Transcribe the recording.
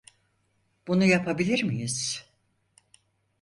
Bunu yapabilir miyiz?